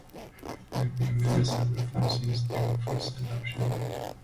They have been amended several times since their first adoption.